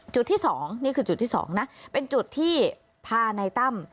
จุดที่๒เป็นจุดที่พาในตั้ม